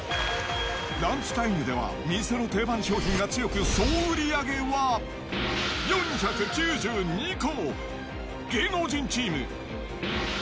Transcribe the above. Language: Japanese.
ランチタイムでは、店の定番商品が強く、総売り上げは４９２個。